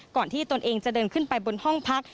ที่ตนเองจะเดินขึ้นไปบนห้องพัก